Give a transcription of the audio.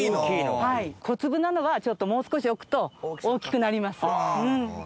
小粒なのはちょっともう少し置くと大きくなります。